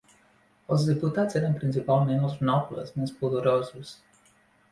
Els diputats eren principalment els nobles més poderosos.